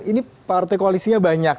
ini partai koalisinya banyak